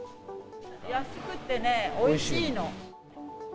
安くてね、おいしいの。